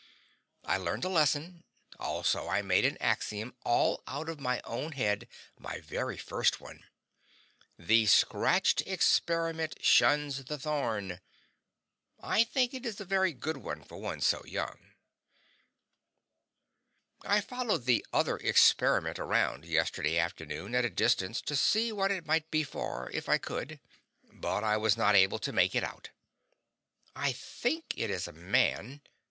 I learned a lesson; also I made an axiom, all out of my own head my very first one; THE SCRATCHED EXPERIMENT SHUNS THE THORN. I think it is a very good one for one so young. I followed the other Experiment around, yesterday afternoon, at a distance, to see what it might be for, if I could. But I was not able to make [it] out. I think it is a man.